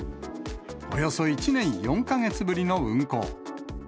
およそ１年４か月ぶりの運航。